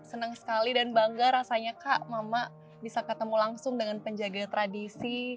senang sekali dan bangga rasanya kak mama bisa ketemu langsung dengan penjaga tradisi